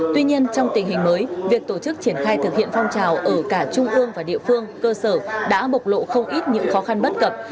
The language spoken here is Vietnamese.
tuy nhiên trong tình hình mới việc tổ chức triển khai thực hiện phong trào ở cả trung ương và địa phương cơ sở đã bộc lộ không ít những khó khăn bất cập